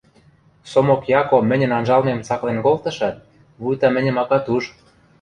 Сомок Яко мӹньӹн анжалмем цаклен колтышат, вуйта мӹньӹм акат уж